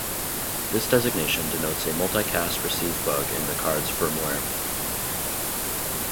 This designation denotes a multicast receive bug in the card's firmware.